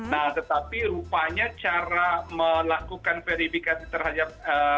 nah tetapi rupanya cara melakukan verifikasi terhadap